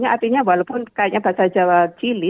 artinya walaupun kayaknya bahasa jawa cili